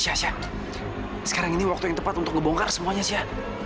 sya sya sekarang ini waktu yang tepat untuk ngebongkar semuanya sya